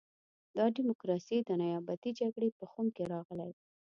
دا ډیموکراسي د نیابتي جګړې په خُم کې راغلې.